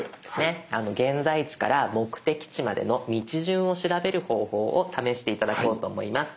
現在地から目的地までの道順を調べる方法を試して頂こうと思います。